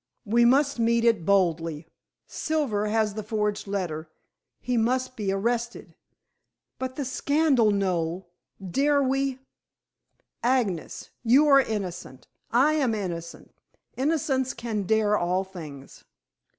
"We must meet it boldly. Silver has the forged letter: he must be arrested." "But the scandal, Noel. Dare we " "Agnes, you are innocent: I am innocent. Innocence can dare all things."